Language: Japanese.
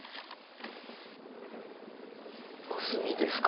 コスミですか。